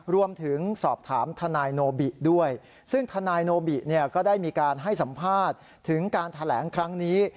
รวมถึงสอบถามทนายโนบิด้วยซึ่งทนายโนบิเนี่ยก็ได้มีการให้สัมภาษณ์ถึงการแถลงครั้งนี้